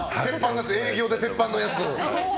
営業で鉄板のやつ。